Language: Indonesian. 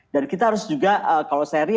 dan kita harus juga kalau seharian